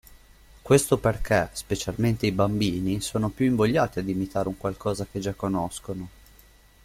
Questo perché, specialmente i bambini, sono più invogliati ad imitare un qualcosa che già conoscono.